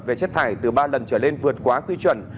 về chất thải từ ba lần trở lên vượt quá quy chuẩn